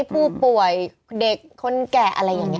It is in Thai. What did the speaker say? ผู้ป่วยเด็กคนแก่อะไรอย่างนี้